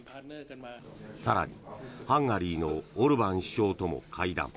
更に、ハンガリーのオルバン首相とも会談。